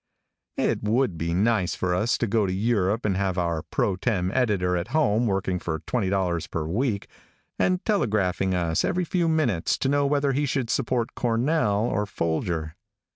It would be nice for us to go to Europe and have our pro tem. editor at home working for $20 per week, and telegraphing us every few minutes to know whether he should support Cornell or Folger.